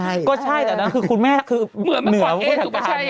มันเหมือนอ่ะ